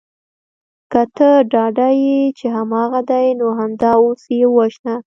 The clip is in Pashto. که ته ډاډه یې چې هماغه دی نو همدا اوس یې ووژنه